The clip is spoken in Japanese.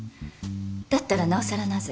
だったらなおさらなぜ？